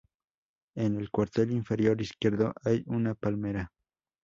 En el cuartel inferior izquierdo hay una palmera.